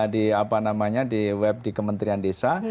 di apa namanya di web di kementerian desa